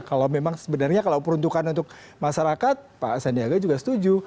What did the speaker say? kalau memang sebenarnya kalau peruntukan untuk masyarakat pak sandiaga juga setuju